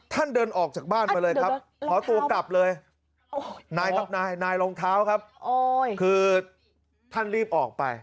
เดินออกจากบ้านมาเลยครับขอตัวกลับเลยนายครับนายนายรองเท้าครับคือท่านรีบออกไป